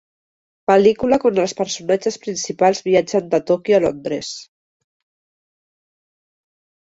Pel·lícula quan els personatges principals viatgen de Tòquio a Londres.